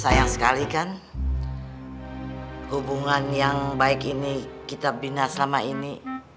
sayang sekali kan hubungan yang baik ini kita bina selama ini